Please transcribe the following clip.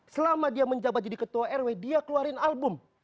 selama dia menjabat jadi ketua rw dia keluarin album